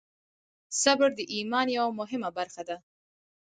صبر د ایمان یوه مهمه برخه ده.